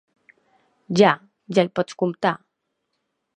Ja, ja hi pots comptar.